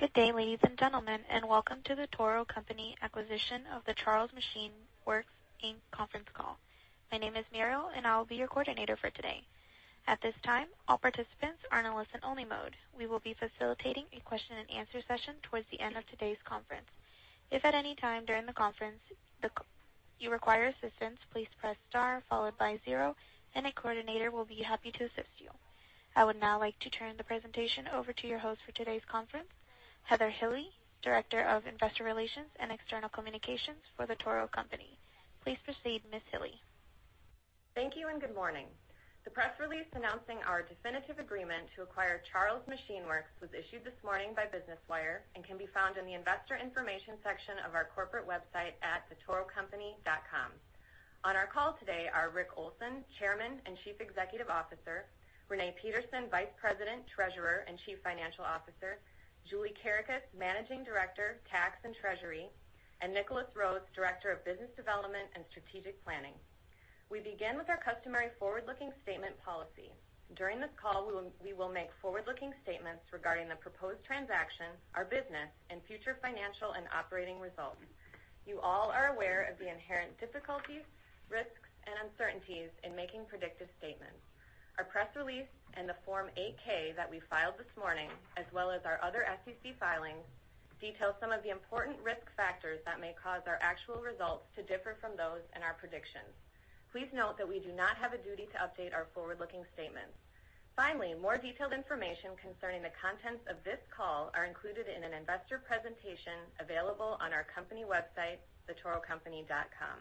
Good day, ladies and gentlemen, and welcome to The Toro Company acquisition of the Charles Machine Works, Inc. conference call. My name is Muriel, and I will be your coordinator for today. At this time, all participants are in a listen-only mode. We will be facilitating a question and answer session towards the end of today's conference. If at any time during the conference you require assistance, please press star followed by zero, and a coordinator will be happy to assist you. I would now like to turn the presentation over to your host for today's conference, Heather Hille, Director of Investor Relations and External Communications for The Toro Company. Please proceed, Ms. Hille. Thank you, good morning. The press release announcing our definitive agreement to acquire Charles Machine Works was issued this morning by Business Wire and can be found in the investor information section of our corporate website at thetorocompany.com. On our call today are Rick Olson, Chairman and Chief Executive Officer; Renee Peterson, Vice President, Treasurer, and Chief Financial Officer; Julie Kerekes, Managing Director, Tax and Treasury; and Nicholas Rhoads, Director of Business Development and Strategic Planning. We begin with our customary forward-looking statement policy. During this call, we will make forward-looking statements regarding the proposed transaction, our business, and future financial and operating results. You all are aware of the inherent difficulties, risks, and uncertainties in making predictive statements. Our press release and the Form 8-K that we filed this morning, as well as our other SEC filings, detail some of the important risk factors that may cause our actual results to differ from those in our predictions. Please note that we do not have a duty to update our forward-looking statements. Finally, more detailed information concerning the contents of this call are included in an investor presentation available on our company website, thetorocompany.com.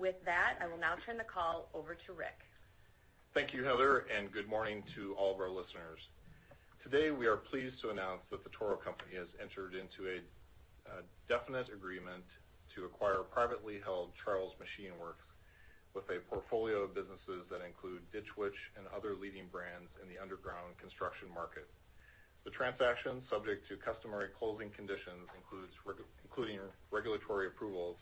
With that, I will now turn the call over to Rick. Thank you, Heather, good morning to all of our listeners. Today, we are pleased to announce that The Toro Company has entered into a definite agreement to acquire privately held Charles Machine Works, with a portfolio of businesses that include Ditch Witch and other leading brands in the underground construction market. The transaction, subject to customary closing conditions, including regulatory approvals,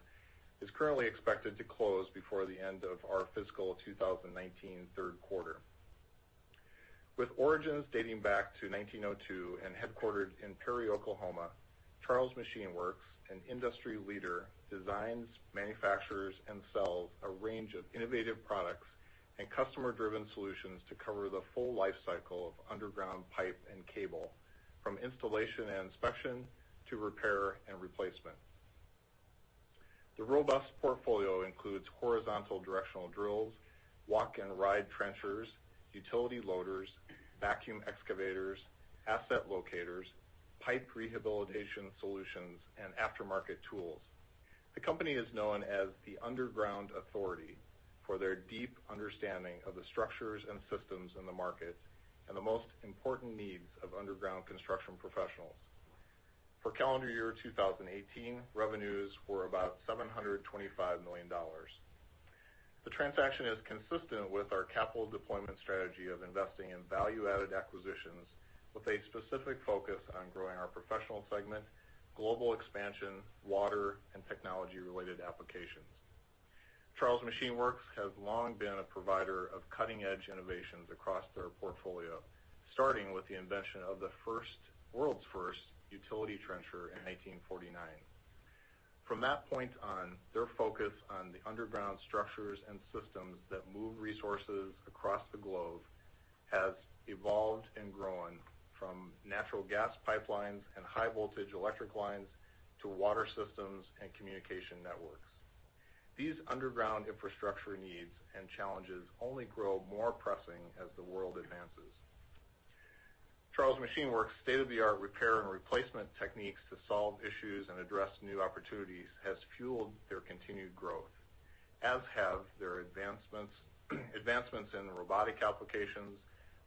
is currently expected to close before the end of our fiscal 2019 third quarter. With origins dating back to 1902 and headquartered in Perry, Oklahoma, Charles Machine Works, an industry leader, designs, manufactures, and sells a range of innovative products and customer-driven solutions to cover the full life cycle of underground pipe and cable, from installation and inspection to repair and replacement. The robust portfolio includes horizontal directional drills, walk and ride trenchers, utility loaders, vacuum excavators, asset locators, pipe rehabilitation solutions, and aftermarket tools. The company is known as the underground authority for their deep understanding of the structures and systems in the market and the most important needs of underground construction professionals. For calendar year 2018, revenues were about $725 million. The transaction is consistent with our capital deployment strategy of investing in value-added acquisitions with a specific focus on growing our professional segment, global expansion, water, and technology-related applications. Charles Machine Works has long been a provider of cutting-edge innovations across their portfolio, starting with the invention of the world's first utility trencher in 1949. From that point on, their focus on the underground structures and systems that move resources across the globe has evolved and grown from natural gas pipelines and high voltage electric lines to water systems and communication networks. These underground infrastructure needs and challenges only grow more pressing as the world advances. Charles Machine Works' state-of-the-art repair and replacement techniques to solve issues and address new opportunities has fueled their continued growth, as have their advancements in robotic applications,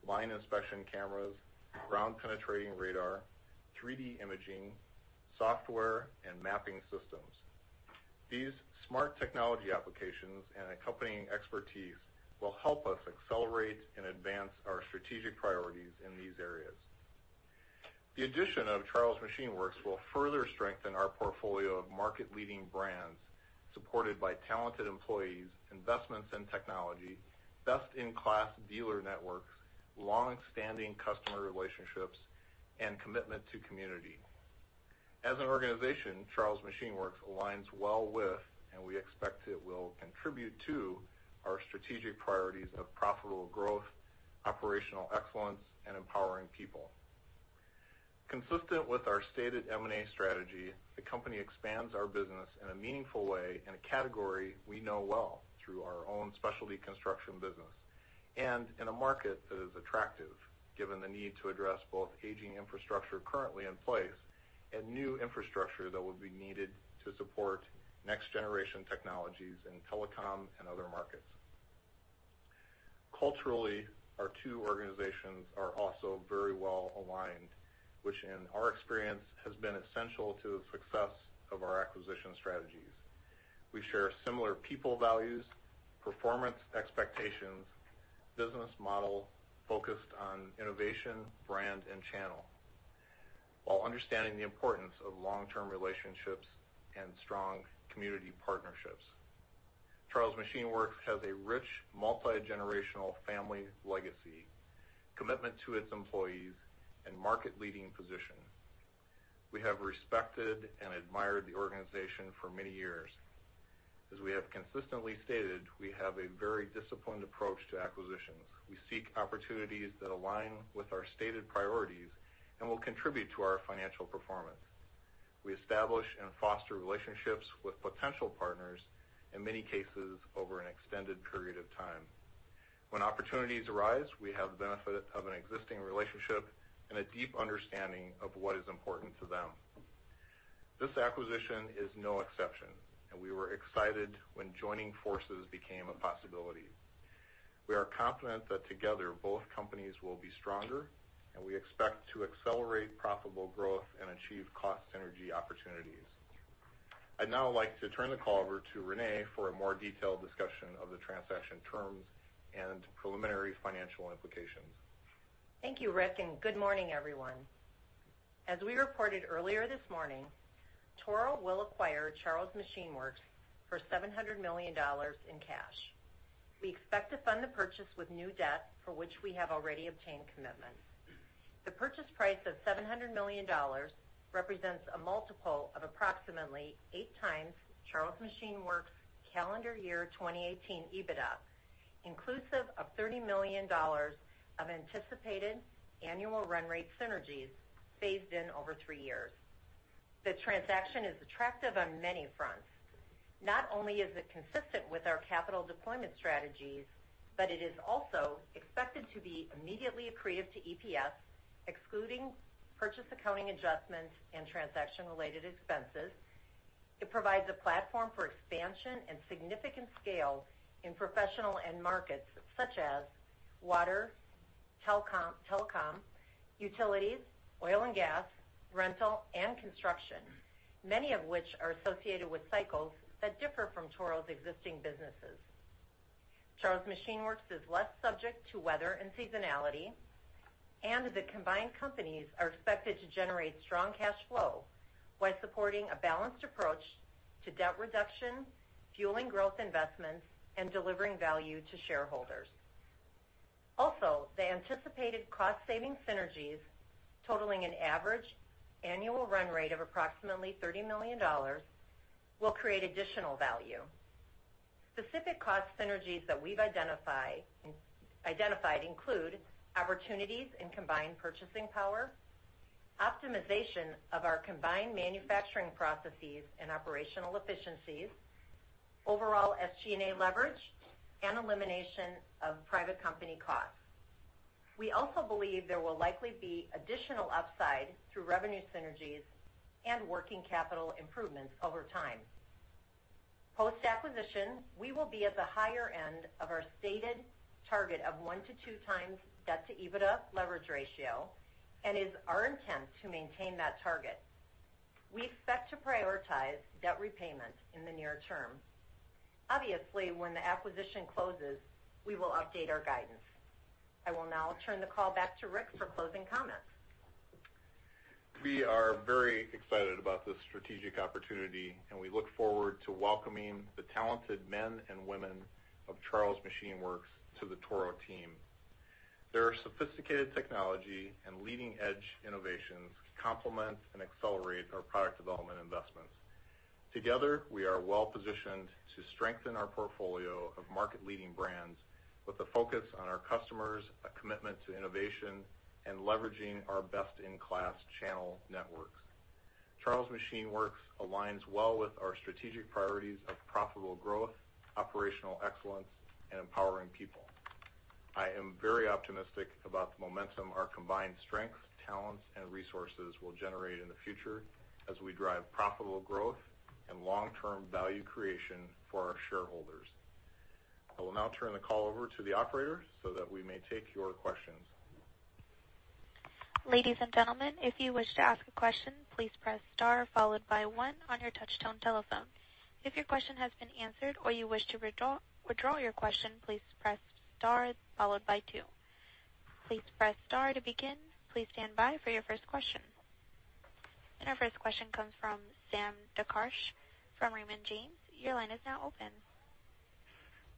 line inspection cameras, ground-penetrating radar, 3D imaging, software, and mapping systems. These smart technology applications and accompanying expertise will help us accelerate and advance our strategic priorities in these areas. The addition of Charles Machine Works will further strengthen our portfolio of market-leading brands supported by talented employees, investments in technology, best-in-class dealer networks, longstanding customer relationships, and commitment to community. As an organization, Charles Machine Works aligns well with, and we expect it will contribute to, our strategic priorities of profitable growth, operational excellence, and empowering people. Consistent with our stated M&A strategy, the company expands our business in a meaningful way in a category we know well through our own specialty construction business. In a market that is attractive, given the need to address both aging infrastructure currently in place and new infrastructure that would be needed to support next-generation technologies in telecom and other markets. Culturally, our two organizations are also very well aligned, which in our experience, has been essential to the success of our acquisition strategies. We share similar people values, performance expectations, business model focused on innovation, brand, and channel, while understanding the importance of long-term relationships and strong community partnerships. Charles Machine Works has a rich multi-generational family legacy, commitment to its employees, and market-leading position. We have respected and admired the organization for many years. As we have consistently stated, we have a very disciplined approach to acquisitions. We seek opportunities that align with our stated priorities and will contribute to our financial performance. We establish and foster relationships with potential partners, in many cases, over an extended period of time. When opportunities arise, we have the benefit of an existing relationship and a deep understanding of what is important to them. This acquisition is no exception, and we were excited when joining forces became a possibility. We are confident that together both companies will be stronger, and we expect to accelerate profitable growth and achieve cost synergy opportunities. I'd now like to turn the call over to Renee for a more detailed discussion of the transaction terms and preliminary financial implications. Thank you, Rick, and good morning, everyone. As we reported earlier this morning, Toro will acquire Charles Machine Works for $700 million in cash. We expect to fund the purchase with new debt for which we have already obtained commitments. The purchase price of $700 million represents a multiple of approximately 8 times Charles Machine Works' calendar year 2018 EBITDA, inclusive of $30 million of anticipated annual run rate synergies phased in over 3 years. The transaction is attractive on many fronts. Not only is it consistent with our capital deployment strategies, it is also expected to be immediately accretive to EPS, excluding purchase accounting adjustments and transaction-related expenses. It provides a platform for expansion and significant scale in professional end markets such as water, telecom, utilities, oil and gas, rental, and construction, many of which are associated with cycles that differ from Toro's existing businesses. Charles Machine Works is less subject to weather and seasonality, the combined companies are expected to generate strong cash flow while supporting a balanced approach to debt reduction, fueling growth investments, and delivering value to shareholders. Also, the anticipated cost-saving synergies, totaling an average annual run rate of approximately $30 million, will create additional value. Specific cost synergies that we've identified include opportunities in combined purchasing power, optimization of our combined manufacturing processes and operational efficiencies, overall SG&A leverage, and elimination of private company costs. We also believe there will likely be additional upside through revenue synergies and working capital improvements over time. Post-acquisition, we will be at the higher end of our stated target of 1 to 2 times debt to EBITDA leverage ratio and is our intent to maintain that target. We expect to prioritize debt repayment in the near term. Obviously, when the acquisition closes, we will update our guidance. I will now turn the call back to Rick for closing comments. We are very excited about this strategic opportunity, and we look forward to welcoming the talented men and women of Charles Machine Works to the Toro team. Their sophisticated technology and leading-edge innovations complement and accelerate our product development investments. Together, we are well-positioned to strengthen our portfolio of market-leading brands with a focus on our customers, a commitment to innovation, and leveraging our best-in-class channel networks. Charles Machine Works aligns well with our strategic priorities of profitable growth, operational excellence, and empowering people. I am very optimistic about the momentum our combined strengths, talents, and resources will generate in the future as we drive profitable growth and long-term value creation for our shareholders. I will now turn the call over to the operator so that we may take your questions. Ladies and gentlemen, if you wish to ask a question, please press star followed by one on your touch-tone telephone. If your question has been answered or you wish to withdraw your question, please press star followed by two. Please press star to begin. Please stand by for your first question. Our first question comes from Sam Darkatsh from Raymond James. Your line is now open.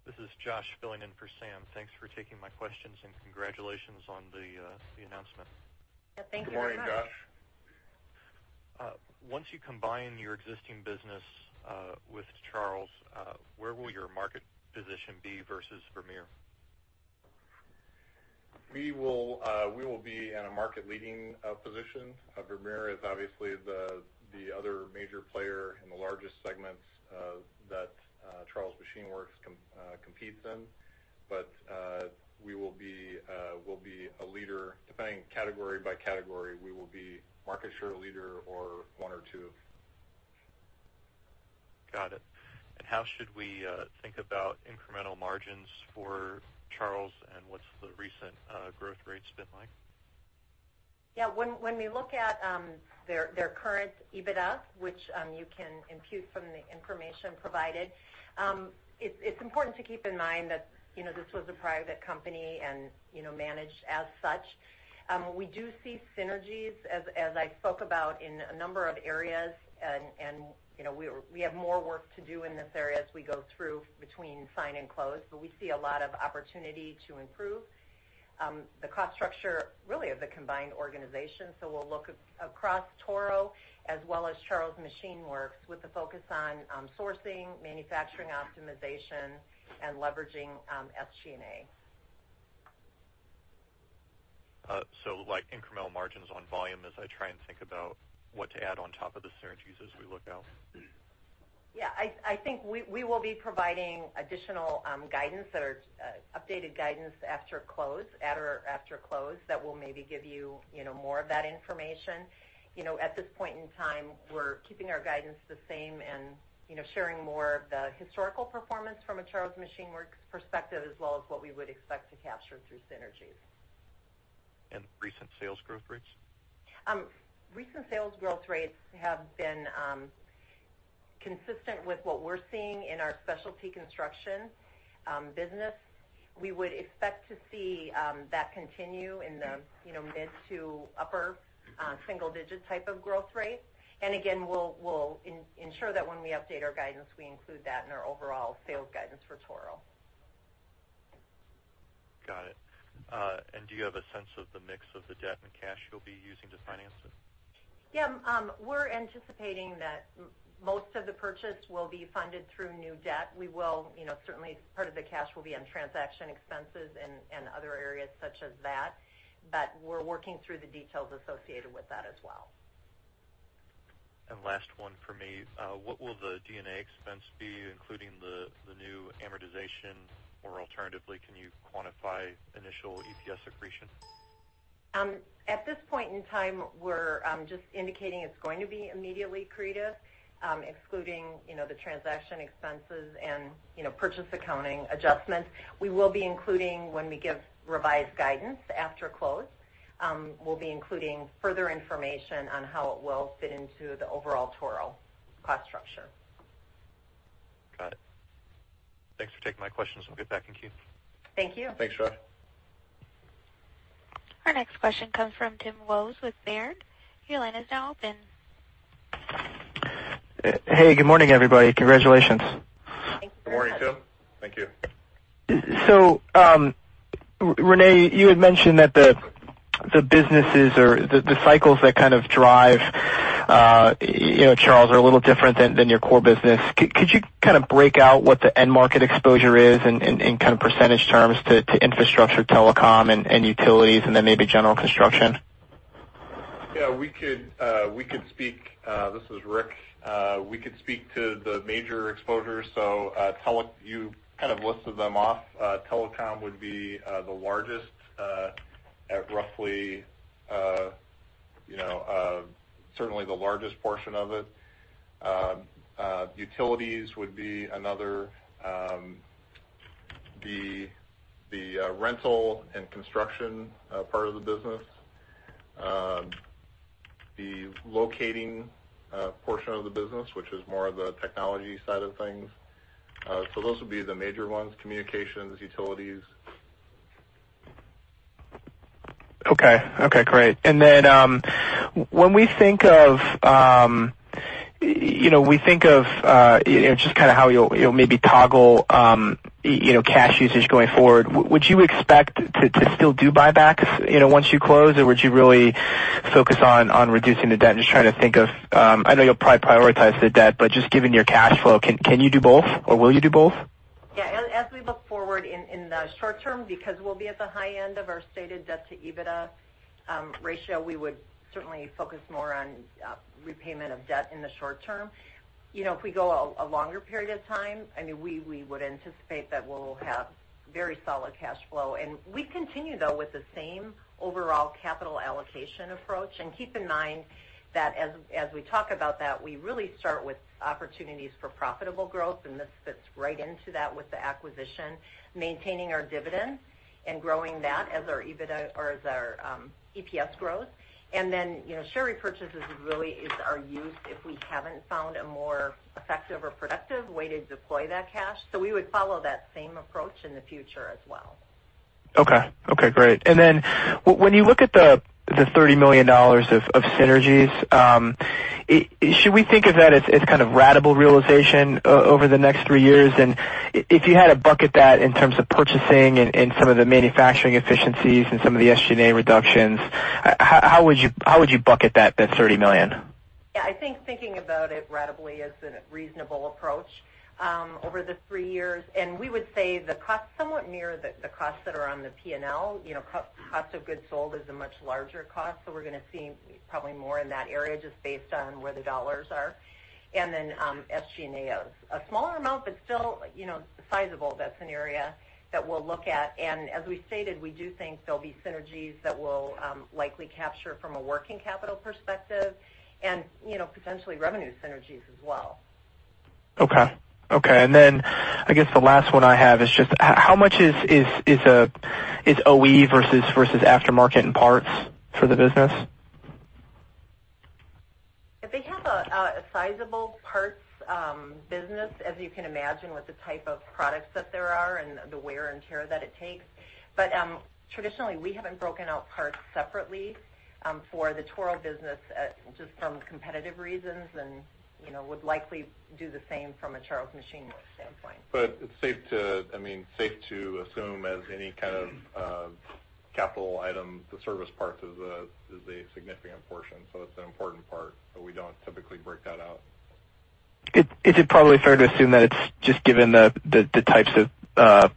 This is Josh filling in for Sam. Thanks for taking my questions, and congratulations on the announcement. Thank you very much. Good morning, Josh. Once you combine your existing business with Charles, where will your market position be versus Vermeer? We will be in a market-leading position. Vermeer is obviously the other major player in the largest segments that Charles Machine Works competes in. We'll be a leader. Depending category by category, we will be market share leader or one or two. Got it. How should we think about incremental margins for Charles, and what's the recent growth rate been like? When we look at their current EBITDA, which you can impute from the information provided, it's important to keep in mind that this was a private company and managed as such. We do see synergies, as I spoke about, in a number of areas, and we have more work to do in this area as we go through between sign and close, but we see a lot of opportunity to improve the cost structure really of the combined organization. We'll look across Toro as well as Charles Machine Works with a focus on sourcing, manufacturing optimization, and leveraging SG&A. Incremental margins on volume as I try and think about what to add on top of the synergies as we look out? I think we will be providing additional guidance or updated guidance after close that will maybe give you more of that information. At this point in time, we're keeping our guidance the same and sharing more of the historical performance from a Charles Machine Works perspective, as well as what we would expect to capture through synergies. Recent sales growth rates? Recent sales growth rates have been consistent with what we're seeing in our specialty construction business. We would expect to see that continue in the mid to upper single-digit type of growth rate. Again, we'll ensure that when we update our guidance, we include that in our overall sales guidance for Toro. Got it. Do you have a sense of the mix of the debt and cash you'll be using to finance it? Yeah. We're anticipating that most of the purchase will be funded through new debt. Certainly part of the cash will be on transaction expenses and other areas such as that, we're working through the details associated with that as well. Last one from me. What will the D&A expense be, including the new amortization? Alternatively, can you quantify initial EPS accretion? At this point in time, we're just indicating it's going to be immediately accretive, excluding the transaction expenses and purchase accounting adjustments. We will be including when we give revised guidance after close. We'll be including further information on how it will fit into the overall Toro cost structure. Got it. Thanks for taking my questions. We'll get back in queue. Thank you. Thanks, Josh. Our next question comes from Tim Wojs with Baird. Your line is now open. Hey, good morning, everybody. Congratulations. Thank you. Good morning, Tim. Thank you. Renee, you had mentioned that the businesses or the cycles that kind of drive Charles are a little different than your core business. Could you kind of break out what the end market exposure is in kind of % terms to infrastructure, telecom, and utilities, and then maybe general construction? This is Rick. We could speak to the major exposures. You kind of listed them off. Telecom would be the largest at roughly, certainly the largest portion of it. Utilities would be another. The rental and construction part of the business. The locating portion of the business, which is more of the technology side of things. Those would be the major ones, communications, utilities. Okay. Great. When we think of just how you'll maybe toggle cash usage going forward, would you expect to still do buybacks once you close, or would you really focus on reducing the debt? I know you'll probably prioritize the debt, but given your cash flow, can you do both, or will you do both? As we look forward in the short term, because we'll be at the high end of our stated debt-to-EBITDA ratio, we would certainly focus more on repayment of debt in the short term. If we go a longer period of time, we would anticipate that we'll have very solid cash flow. We continue, though, with the same overall capital allocation approach. Keep in mind that as we talk about that, we really start with opportunities for profitable growth, and this fits right into that with the acquisition, maintaining our dividend and growing that as our EBITDA or as our EPS grows. Share repurchases really is our use if we haven't found a more effective or productive way to deploy that cash. We would follow that same approach in the future as well. Okay. Great. When you look at the $30 million of synergies, should we think of that as kind of ratable realization over the next 3 years? If you had to bucket that in terms of purchasing and some of the manufacturing efficiencies and some of the SG&A reductions, how would you bucket that $30 million? Yeah. I think thinking about it ratably is a reasonable approach over the three years. We would say the cost somewhat near the costs that are on the P&L. Cost of goods sold is a much larger cost. We're going to see probably more in that area just based on where the dollars are. SG&A is a smaller amount, but still sizable. That's an area that we'll look at. As we stated, we do think there'll be synergies that we'll likely capture from a working capital perspective and potentially revenue synergies as well. Okay. I guess the last one I have is just how much is OE versus aftermarket and parts for the business? They have a sizable parts business, as you can imagine, with the type of products that there are and the wear and tear that it takes. Traditionally, we haven't broken out parts separately for The Toro Company business just from competitive reasons and would likely do the same from a Charles Machine Works standpoint. It's safe to assume as any kind of capital items, the service parts is a significant portion, it's an important part, we don't typically break that out. Is it probably fair to assume that it's just given the types of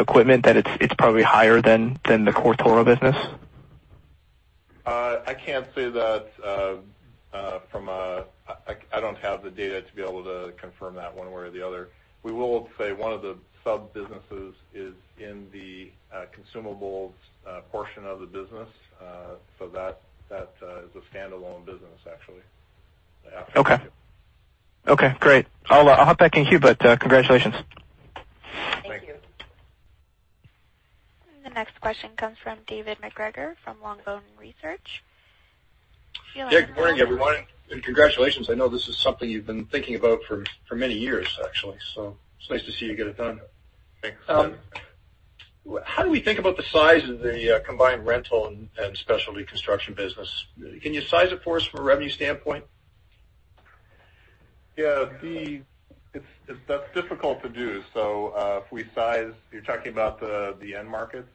equipment, that it's probably higher than the core Toro business? I can't say that. I don't have the data to be able to confirm that one way or the other. We will say one of the sub-businesses is in the consumables portion of the business. That is a standalone business, actually. The acquisition. Okay. Great. I'll hop back in queue, congratulations. Thank you. Thank you. The next question comes from David MacGregor from Longbow Research. Your line is now open. Yeah. Good morning, everyone. Congratulations. I know this is something you've been thinking about for many years, actually. It's nice to see you get it done. Thanks. How do we think about the size of the combined rental and specialty construction business? Can you size it for us from a revenue standpoint? Yeah. That's difficult to do. If we size, you're talking about the end market?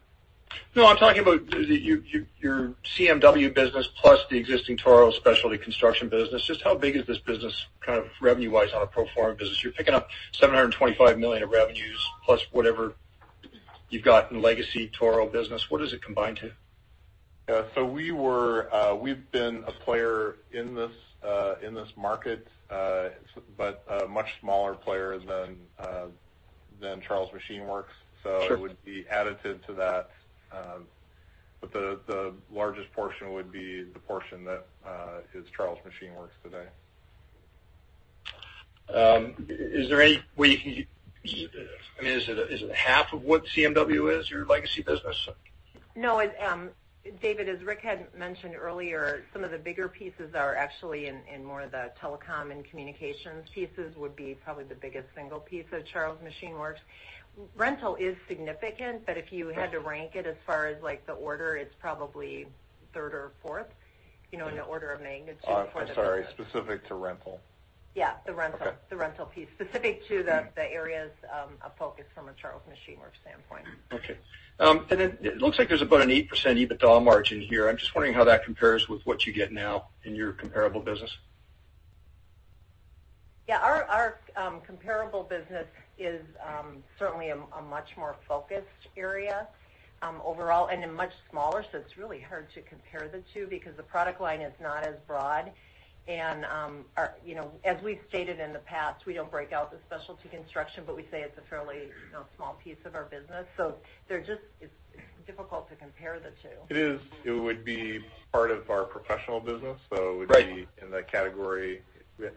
No, I'm talking about your CMW business plus the existing Toro specialty construction business. Just how big is this business revenue-wise on a pro forma business? You're picking up $725 million of revenues plus whatever you've got in legacy Toro business. What does it combine to? Yeah. We've been a player in this market, but a much smaller player than Charles Machine Works. Sure. It would be additive to that. The largest portion would be the portion that is Charles Machine Works today. Is it half of what CMW is, your legacy business? No. David, as Rick had mentioned earlier, some of the bigger pieces are actually in more of the telecom and communications pieces would be probably the biggest single piece of Charles Machine Works. Rental is significant, but if you had to rank it as far as the order, it's probably third or fourth, in the order of magnitude for the business. I'm sorry, specific to rental. Yeah. The rental piece. Okay. Specific to the areas of focus from a Charles Machine Works standpoint. Okay. Then it looks like there's about an 8% EBITDA margin here. I'm just wondering how that compares with what you get now in your comparable business. Yeah, our comparable business is certainly a much more focused area overall, and much smaller. It's really hard to compare the two because the product line is not as broad. As we've stated in the past, we don't break out the specialty construction, but we say it's a fairly small piece of our business. It's difficult to compare the two. It is. It would be part of our professional business. Right. It would be in that category.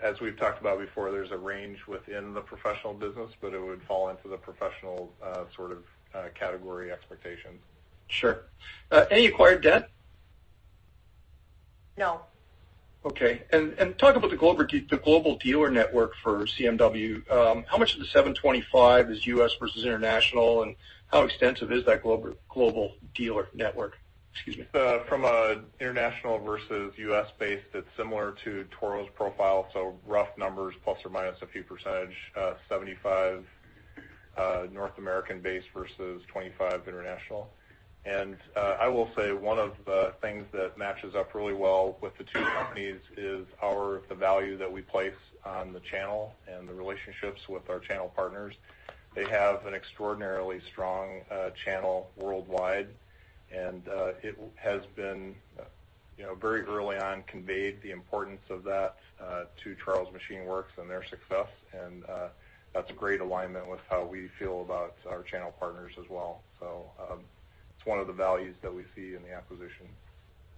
As we've talked about before, there's a range within the professional business, but it would fall into the professional sort of category expectation. Sure. Any acquired debt? No. Okay. Talk about the global dealer network for CMW. How much of the 725 is U.S. versus international, and how extensive is that global dealer network? Excuse me. From a international versus U.S. base, that's similar to Toro's profile. Rough numbers, plus or minus a few percentage, 75 North American base versus 25 international. I will say one of the things that matches up really well with the two companies is the value that we place on the channel and the relationships with our channel partners. They have an extraordinarily strong channel worldwide, and it has been very early on conveyed the importance of that to Charles Machine Works and their success. That's a great alignment with how we feel about our channel partners as well. It's one of the values that we see in the acquisition.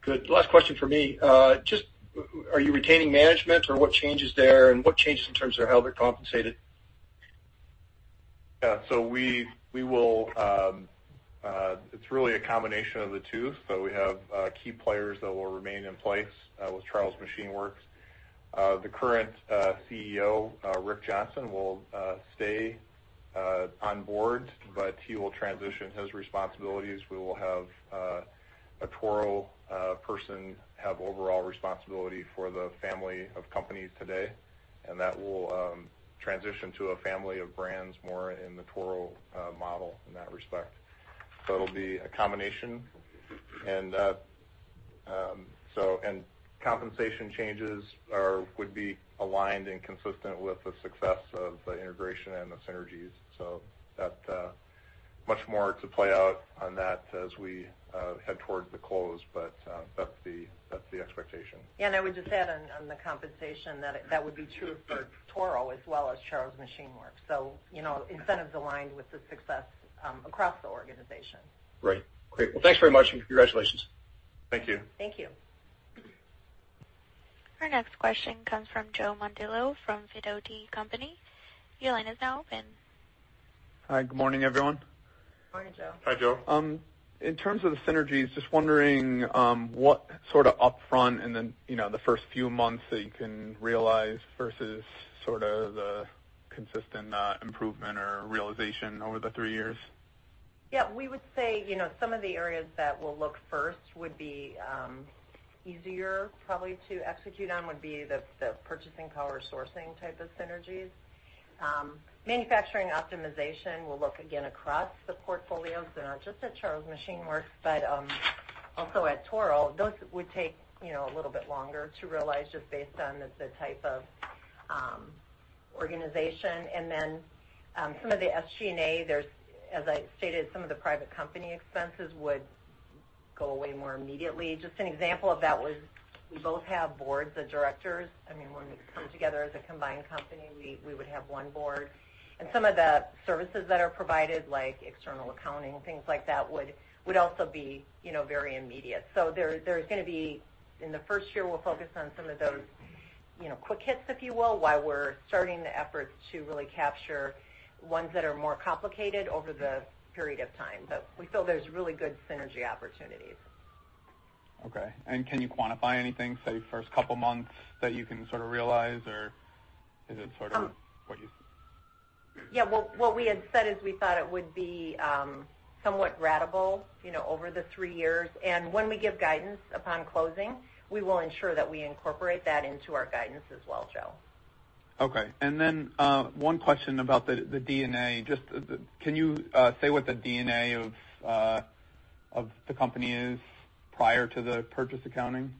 Good. Last question from me. Just are you retaining management, or what changes there, and what changes in terms of how they're compensated? Yeah. It's really a combination of the two. We have key players that will remain in place with Charles Machine Works. The current CEO, Rick Johnson, will stay on board, but he will transition his responsibilities. We will have a Toro person have overall responsibility for the family of companies today, and that will transition to a family of brands more in the Toro model in that respect. It'll be a combination. Compensation changes would be aligned and consistent with the success of the integration and the synergies. Much more to play out on that as we head towards the close, but that's the expectation. Yeah. I would just add on the compensation that that would be true for Toro as well as Charles Machine Works. Incentives aligned with the success across the organization. Right. Great. Well, thanks very much, and congratulations. Thank you. Thank you. Our next question comes from Joe Mondillo from Sidoti & Company. Your line is now open. Hi. Good morning, everyone. Morning, Joe. Hi, Joe. In terms of the synergies, just wondering what sort of upfront in the first few months that you can realize versus sort of the consistent improvement or realization over the three years? Yeah. We would say some of the areas that we'll look first would be easier probably to execute on, would be the purchasing power sourcing type of synergies. Manufacturing optimization, we'll look again across the portfolios. Not just at Charles Machine Works, but also at Toro, those would take a little bit longer to realize just based on the type of organization. Then some of the SG&A, as I stated, some of the private company expenses would go away more immediately. Just an example of that was we both have boards of directors. When we come together as a combined company, we would have one board. Some of the services that are provided, like external accounting, things like that, would also be very immediate. There's going to be, in the first year, we'll focus on some of those quick hits, if you will, while we're starting the efforts to really capture ones that are more complicated over the period of time. We feel there's really good synergy opportunities. Okay. Can you quantify anything, say, first couple months that you can sort of realize, or is it sort of? Yeah. What we had said is we thought it would be somewhat ratable over the three years. When we give guidance upon closing, we will ensure that we incorporate that into our guidance as well, Joe. Okay. One question about the D&A. Just can you say what the D&A of the company is prior to the purchase accounting?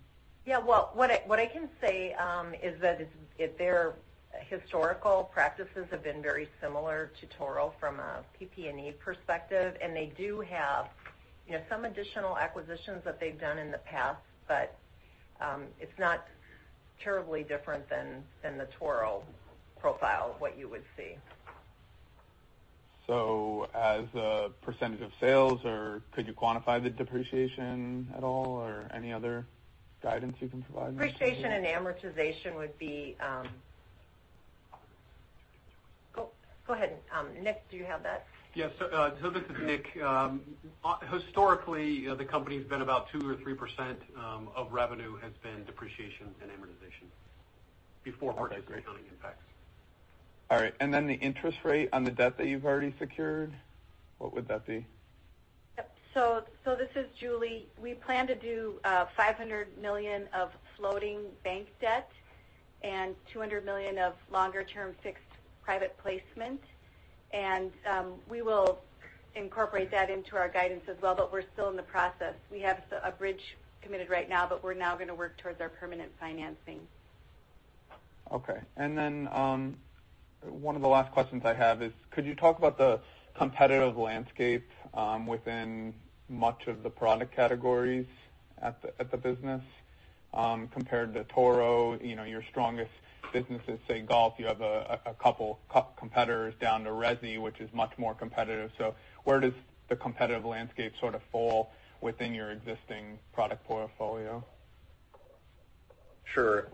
Well, what I can say is that their historical practices have been very similar to Toro from a PP&E perspective, and they do have some additional acquisitions that they've done in the past. It's not terribly different than the Toro profile of what you would see. As a percentage of sales, or could you quantify the depreciation at all, or any other guidance you can provide? Depreciation and amortization would be Oh, go ahead. Nick, do you have that? Yes. This is Nick. Historically, the company's been about two or 3% of revenue has been depreciation and amortization before purchase accounting impacts. Then the interest rate on the debt that you've already secured, what would that be? Yep. This is Julie. We plan to do $500 million of floating bank debt and $200 million of longer-term fixed private placement. We will incorporate that into our guidance as well, we're still in the process. We have a bridge committed right now, we're now going to work towards our permanent financing. Okay. Then one of the last questions I have is, could you talk about the competitive landscape within much of the product categories at the business compared to Toro? Your strongest business is, say, golf. You have a couple competitors down to resi, which is much more competitive. Where does the competitive landscape sort of fall within your existing product portfolio? Sure.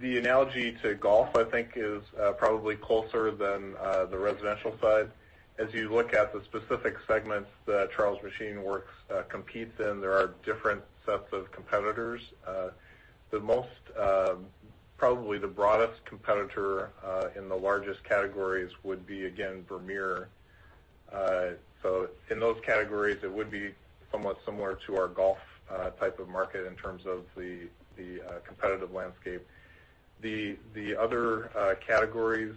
The analogy to golf, I think, is probably closer than the residential side. As you look at the specific segments that Charles Machine Works competes in, there are different sets of competitors. Probably the broadest competitor in the largest categories would be, again, Vermeer. In those categories, it would be somewhat similar to our golf type of market in terms of the competitive landscape. The other categories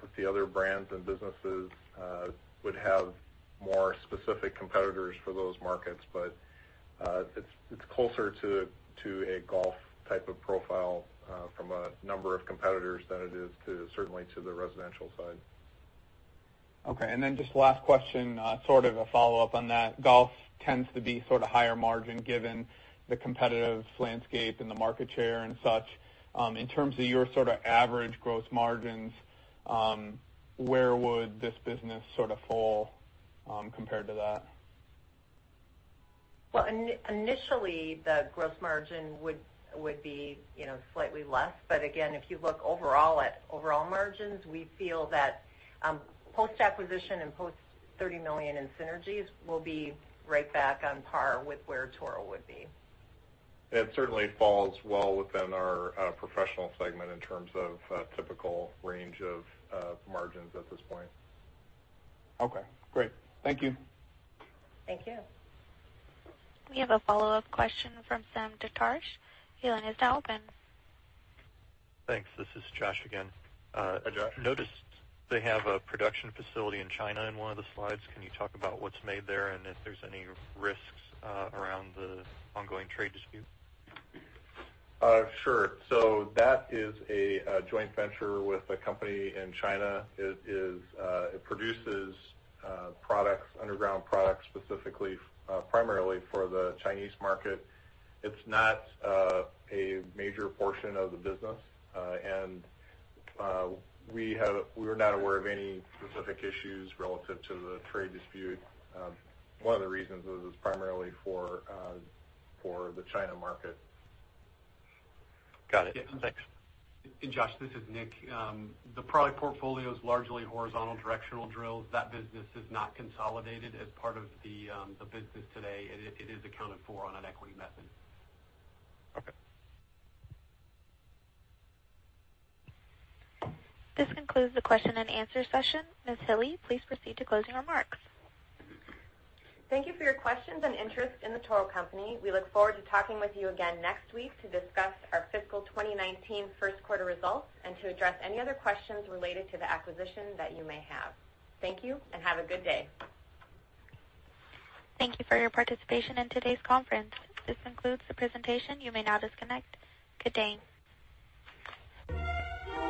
with the other brands and businesses would have more specific competitors for those markets. It's closer to a golf type of profile from a number of competitors than it is certainly to the residential side. Okay. Just last question, sort of a follow-up on that. Golf tends to be sort of higher margin, given the competitive landscape and the market share and such. In terms of your sort of average gross margins, where would this business sort of fall compared to that? Well, initially, the gross margin would be slightly less. Again, if you look overall at overall margins, we feel that post-acquisition and post $30 million in synergies, we'll be right back on par with where Toro would be. It certainly falls well within our professional segment in terms of typical range of margins at this point. Okay, great. Thank you. Thank you. We have a follow-up question from Sam Darkatsh. Your line is now open. Thanks. This is Josh again. Hi, Josh. Noticed they have a production facility in China in one of the slides. Can you talk about what's made there, and if there's any risks around the ongoing trade dispute? Sure. That is a joint venture with a company in China. It produces products, underground products specifically, primarily for the Chinese market. It's not a major portion of the business, and we are not aware of any specific issues relative to the trade dispute. One of the reasons is it's primarily for the China market. Got it. Thanks. Yeah. Josh, this is Nick. The product portfolio is largely horizontal directional drills. That business is not consolidated as part of the business today. It is accounted for on an equity method. Okay. This concludes the question and answer session. Heather Hille, please proceed to closing remarks. Thank you for your questions and interest in The Toro Company. We look forward to talking with you again next week to discuss our fiscal 2019 first quarter results and to address any other questions related to the acquisition that you may have. Thank you, and have a good day. Thank you for your participation in today's conference. This concludes the presentation. You may now disconnect. Good day.